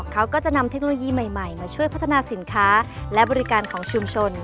เขาก็จะนำเทคโนโลยีใหม่มาช่วยพัฒนาสินค้าและบริการของชุมชน